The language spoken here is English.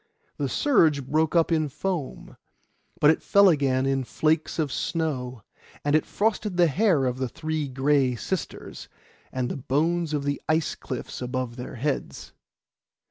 The surge broke up in foam, but it fell again in flakes of snow; and it frosted the hair of the three Gray Sisters, and the bones in the ice cliff above their heads.